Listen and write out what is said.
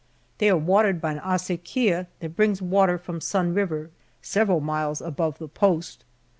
They are watered by an acequia that brings water from Sun River several miles above the post.